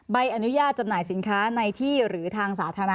ใบอนุญาตจำหน่ายสินค้าในที่หรือทางสาธารณะ